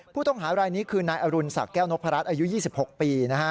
ผู้ต้องหารายนี้คือนายอรุณศักดิแก้วนพรัชอายุ๒๖ปี